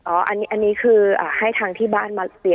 อ๋ออันนี้คือให้ทางที่บ้านมาเตรียมมาค่ะ